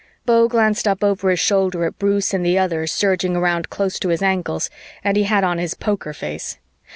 Beau glanced up over his shoulder at Bruce and the others surging around close to his ankles and he had on his poker face.